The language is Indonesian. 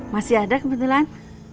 masih ada kebetulan